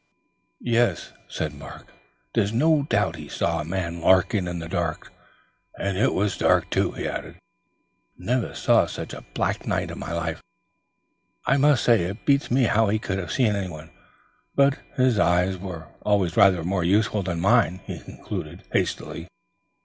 "Yes," said Mark eagerly, "there's no doubt he saw a man lurking in the darkness. And it was dark too," he added, "never saw such a black night in my life; I must say it beats me how he could have seen anyone. But his eyes were always rather more useful than mine," he concluded hastily.